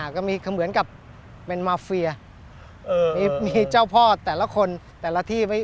ก็มีเหมือนกับเป็นมาเฟียมีเจ้าพ่อแต่ละคนแต่ละที่